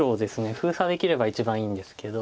封鎖できれば一番いいんですけど。